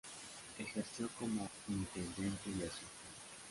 Ejerció como intendente de Asunción.